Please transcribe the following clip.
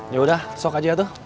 ya udah sok aja tuh